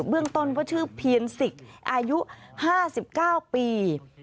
เบื้องต้นว่าชื่อเพียรสิกอายุ๕๙ปี